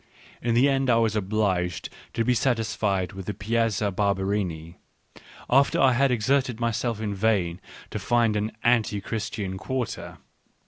In the end I was obliged to be satisfied with the Piazza Barberini, after I had exerted myself in vain to find an anti Christian quarter.